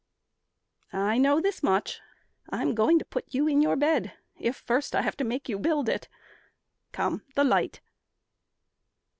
"I know this much: I'm going to put you in your bed, if first I have to make you build it. Come, the light."